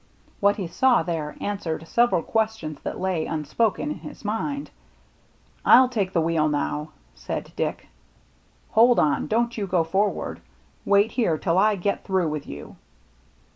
What he saw there answered several questions that lay, unspoken, in his mind. " rU take the wheel now," said Dick. " Hold on, don't you go forward. Wait here till I get through with you."